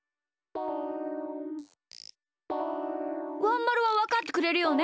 ワンまるはわかってくれるよね？